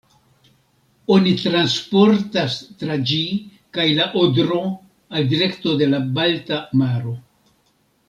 Oni transportas tra ĝi kaj la Odro al direkto de la Balta maro.